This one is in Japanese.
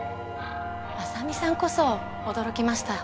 浅海さんこそ驚きました。